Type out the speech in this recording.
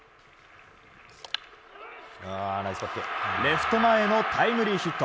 レフト前へのタイムリーヒット。